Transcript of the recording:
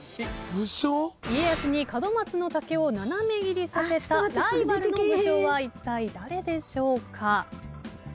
家康に門松の竹を斜め切りさせたライバルの武将はいったい誰でしょうか？